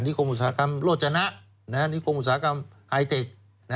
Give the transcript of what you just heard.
คมอุตสาหกรรมโรจนะนิคมอุตสาหกรรมไฮเทค